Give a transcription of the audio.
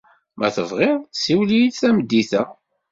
Ma tebɣiḍ, siwel-iyi-d tameddit-a.